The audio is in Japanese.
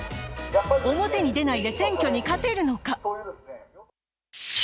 表に出ないで選挙に勝てるのか？